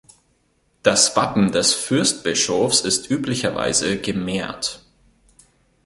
Das Wappen des Fürstbischofs ist üblicherweise gemehrt.